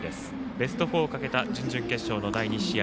ベスト４をかけた準々決勝の第２試合。